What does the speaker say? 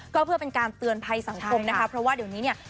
ก็เพื่อเป็นการเตือนภัยสังคมนะคะเพราะว่าเดี๋ยวนี้เนี่ย